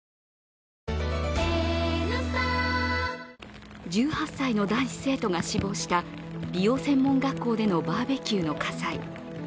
専門家からは１８歳の男子生徒が死亡した美容専門学校でのバーベキューでの火災。